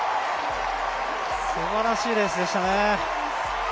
すばらしいレースでしたね。